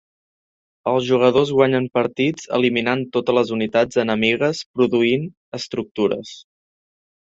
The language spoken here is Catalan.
Els jugadors guanyen partits eliminant totes les unitats enemigues produint estructures.